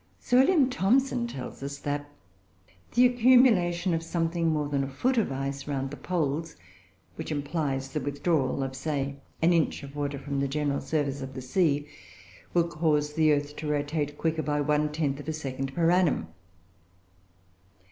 Sir W. Thomson tells us that the accumulation of something more than a foot of ice around the poles (which implies the withdrawal of, say, an inch of water from the general surface of the sea) will cause the earth to rotate quicker by one tenth of a second per annum.